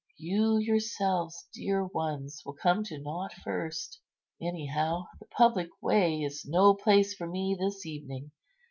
You yourselves, dear ones, will come to nought first. Anyhow, the public way is no place for me this evening.